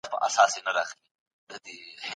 اقتصادي خوځښت د توليدي عواملو پر مټ رامنځته کيږي.